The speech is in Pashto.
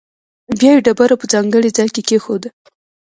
بیا یې ډبره په ځانګړي ځاې کې کېښوده.